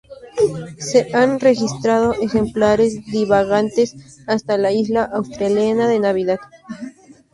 Se han registrado ejemplares divagantes hasta la isla australiana de Navidad.